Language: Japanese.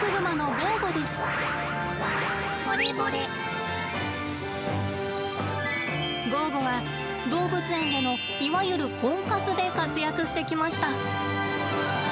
ゴーゴは、動物園での、いわゆるコンカツで活躍してきました。